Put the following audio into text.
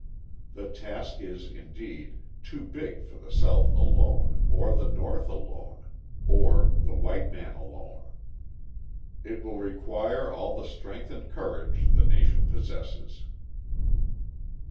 The task is, indeed, too big for the South alone, or the North alone, or the white man alone: it will require all the strength and courage the nation possesses.